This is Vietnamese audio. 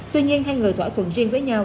tuy nhiên hai người thỏa thuận riêng với nhau